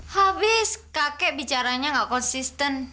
habis kakek bicaranya gak konsisten